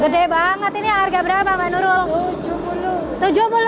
gede banget ini harga berapa mbak nurul